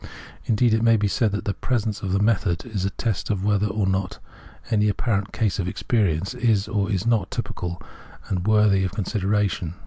Indeed, it may be said, the presence of the method is a test of whether or not any apparent case of experience is or is not typical and worthy of con sideration.